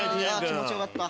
気持ちよかった！